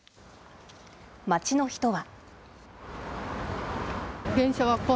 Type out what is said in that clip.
街の人は。